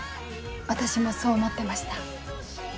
私もそう思ってました。